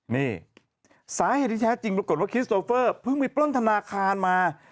นี่สาเหตุที่แท้จริงปรากฏว่าคิสโตเฟอร์เพิ่งไปปล้นธนาคารมา